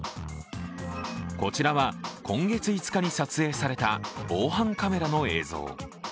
こちらは今月５日に撮影された防犯カメラの映像。